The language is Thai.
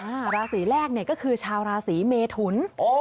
ราศีแรกเนี่ยก็คือชาวราศีเมทุน